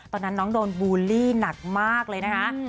ตอนนั้นน้องโดนบูลลี่หนักมากเลยนะคะ